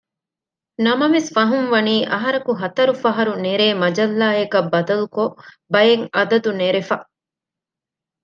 ނަމަވެސް ފަހުންވަނީ އަހަރަކު ހަތަރު ފަހަރު ނެރޭ މަޖައްލާއަކަށް ބަދަލުކޮށް ބައެއް އަދަދު ނެރެފަ